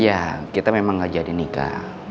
ya kita memang gak jadi nikah